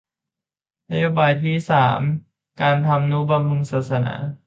นโยบายที่สามการทำนุบำรุงศาสนา